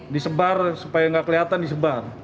disebar supaya nggak kelihatan disebar